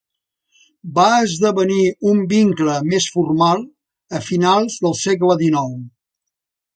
Va esdevenir un vincle més formal a finals del segle dinou.